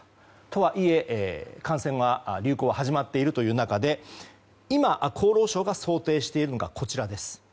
とはいえ、感染の流行が始まっているという中今、厚労省が想定しているのがこちらです。